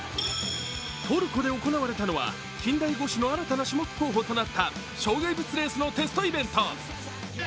トルコで行われたのは近代五種の新たな種目候補となった障害物レースのテストイベント。